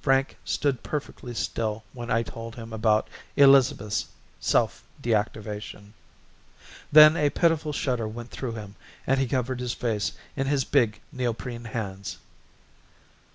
Frank stood perfectly still when I told him about Elizabeth's self deactivation; then a pitiful shudder went through him and he covered his face with his big Neoprene hands.